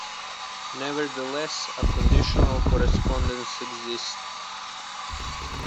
Nevertheless, a conditional correspondence exists.